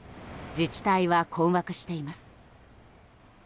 自治体は困惑しています。